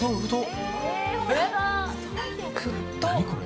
何これ。